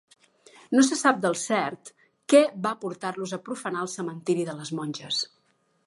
No se sap del cert què va portar-los a profanar el cementiri de les monges.